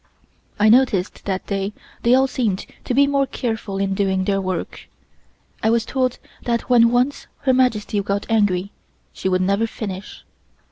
I noticed that day they all seemed to be more careful in doing their work. I was told that when once Her Majesty got angry, she would never finish.